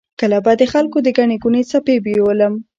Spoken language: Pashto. کله به د خلکو د ګڼې ګوڼې څپې بیولم.